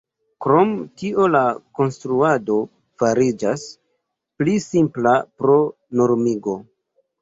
Krom tio la konstruado fariĝas pli simpla pro normigo.